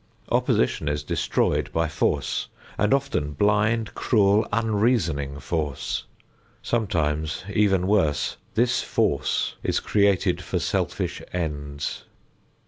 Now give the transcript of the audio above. Opposition is destroyed by force, and often blind, cruel, unreasoning force. Sometimes even worse, this force is created for selfish ends.